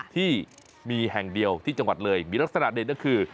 ที่มีแห่งเดียวที่จังหวัดเลยมีลักษณะเด่นก็คือ